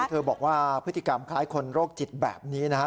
เธอบอกว่าพฤติกรรมคล้ายคนโรคจิตแบบนี้นะครับ